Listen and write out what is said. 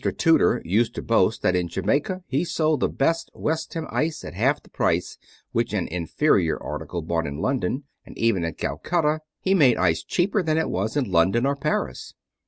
Tudor used to boast that in Jamaica he sold the best Wenham ice at half the price which an inferior article brought in London; and even at Calcutta he made ice cheaper than it was in London or Paris.